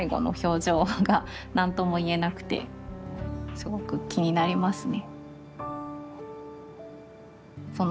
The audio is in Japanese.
すごく気になりますね。